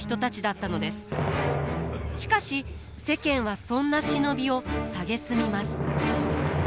しかし世間はそんな忍びを蔑みます。